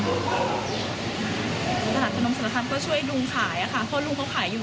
ก็ช่วยลุงเขาขายเขาแล้วเราไม่รู้มาก่อนเลยว่าเขาเป็นโลกนี้